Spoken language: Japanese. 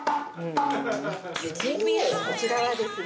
◆こちらはですね